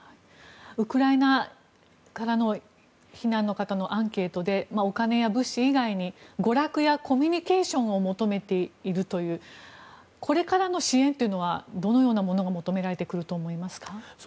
ウクライナからの避難の方のアンケートでお金や物資以外に娯楽やコミュニケーションを求めているというこれからの支援はどのようなものが求められてくると思いますか？